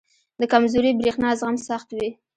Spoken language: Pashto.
• د کمزوري برېښنا زغم سخت وي.